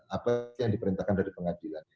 apa yang diperintahkan dari pengadilan